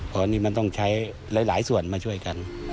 เพราะนี่มันต้องใช้หลายส่วนมาช่วยกัน